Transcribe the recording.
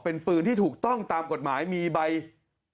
เป็นปืนที่ถูกต้องตามกฎหมายมีใบ